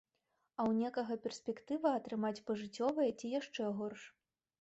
А ў некага перспектыва атрымаць пажыццёвае ці яшчэ горш.